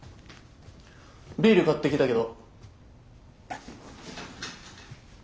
ビール買ってきたけど。